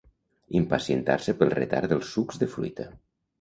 Impacientar-se pel retard dels sucs de fruita.